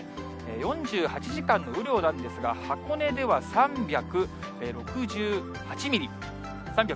４８時間の雨量なんですが、箱根では３６９ミリ。